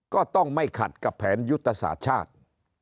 ก็ต้องไม่ขัดกับแผนยุทธศาสตร์ชาติ